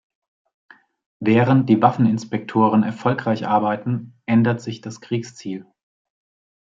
Während die Waffeninspektoren erfolgreich arbeiten, ändert sich das Kriegsziel.